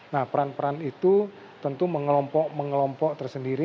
nah peran peran itu tentu mengelompok mengelompok tersendiri